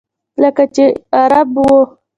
لکه چې عرب و.